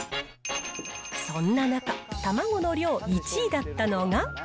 そんな中、たまごの量１位だったのが。